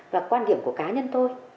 và quan điểm của cá nhân tôi